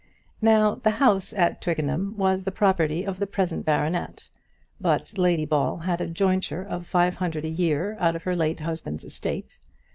Now the house at Twickenham was the property of the present baronet, but Lady Ball had a jointure of five hundred a year out of her late husband's estate.